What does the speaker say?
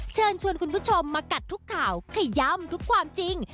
เชิญชวนคุณผู้ชมมากัดทุกข่าวขย่ำทุกความจริง